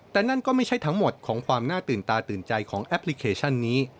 แต่นั่นก็ไม่ใช่ทั้งหมดของความน่าตื่นตาตื่นใจของแอปพลิเคชันนี้